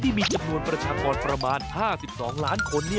ที่มีจำนวนประชากรประมาณ๕๒ล้านคน